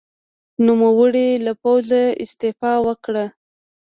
نوموړي له پوځه استعفا وکړه.